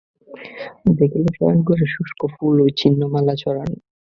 দেখিল, শয়নঘরে শুষ্ক ফুল এবং ছিন্ন মালা ছড়ানো।